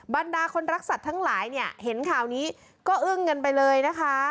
บรรดาคนรักสัตว์ทั้งหลายเนี่ยเห็นข่าวนี้ก็อึ้งกันไปเลยนะคะ